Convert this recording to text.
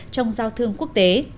trong giao thương quốc tế